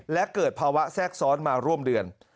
และเกิดภาวะแทรกซ้อนมาร่วมเดือน